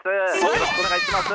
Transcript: よろしくお願いします。